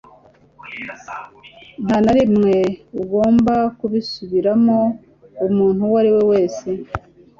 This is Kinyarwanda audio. Nta na rimwe ugomba kubisubiramo umuntu uwo ari we wese.